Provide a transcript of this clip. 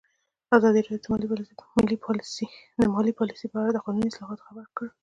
ازادي راډیو د مالي پالیسي په اړه د قانوني اصلاحاتو خبر ورکړی.